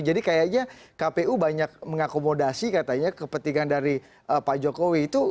jadi kayaknya kpu banyak mengakomodasi katanya kepentingan dari pak jokowi